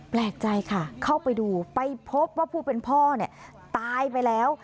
แปลกใจค่ะเข้าไปดูไปพบว่าผู้เป็นพ่อเนี่ยตายไปแล้ว